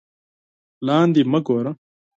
لاندې مه گوره